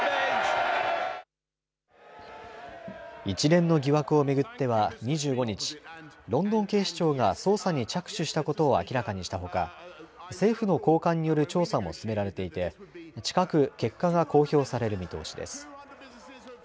一連の疑惑を巡っては２５日、ロンドン警視庁が捜査に着手したことを明らかにしたほか政府の高官による調査も進められていて近く結果が公表される見通しです。